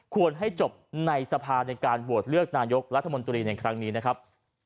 ให้จบในสภาในการโหวตเลือกนายกรัฐมนตรีในครั้งนี้นะครับ